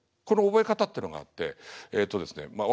この覚え方ってのがあってえっとですね